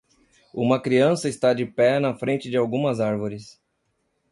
Uma criança está de pé na frente de algumas árvores.